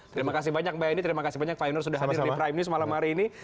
terima kasih banyak mbak eni terima kasih banyak pak yunur sudah hadir di prime news malam hari ini